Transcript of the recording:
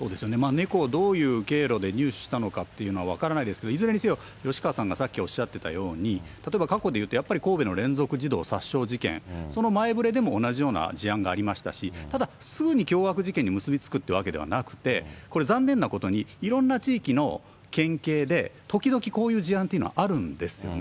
猫をどういう経路で入手したのかというのは分からないですけど、いずれにせよ、吉川さんがさっきおっしゃってたように、例えば過去でいうと、やっぱり神戸の連続児童殺傷事件、その前触れでも同じような事案がありましたし、ただ、すぐに凶悪事件に結び付くっていうわけではなくて、これ、残念なことに、いろんな地域の県警で時々、こういう事案というのはあるんですよね。